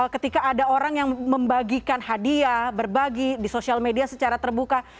ketika ada orang yang membagikan hadiah berbagi di sosial media secara terbuka